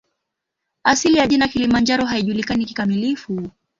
Asili ya jina "Kilimanjaro" haijulikani kikamilifu.